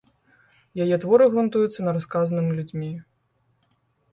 Яе творы грунтуюцца на расказаным людзьмі.